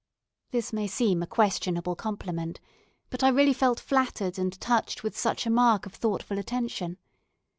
This may seem a questionable compliment, but I really felt flattered and touched with such a mark of thoughtful attention.